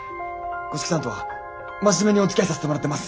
五色さんとは真面目におつきあいさせてもらってます。